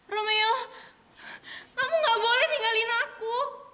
romeo kamu gak boleh tinggalin aku